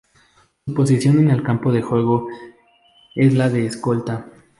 Su posición en el campo de juego es la de escolta.